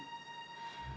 dan itu sangat berat